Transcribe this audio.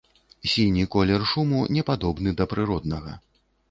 Сіні колер шуму не падобны да прыроднага.